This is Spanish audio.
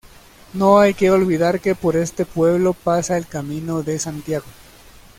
No hay que olvidar que por este pueblo pasa el Camino de Santiago.